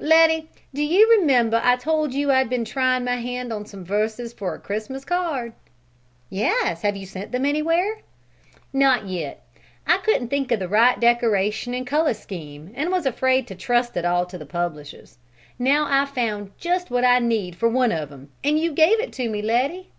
Letty, do you remember I told you I'd been trying my hand on some verses for a Christmas card?" "Yes; have you sent them anywhere?" "Not yet. I couldn't think of the right decoration and color scheme and was afraid to trust it all to the publishers. Now I've found just what I need for one of them, and you gave it to me, Letty!"